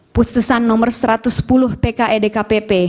putusan nomor satu ratus sepuluh pke dkpp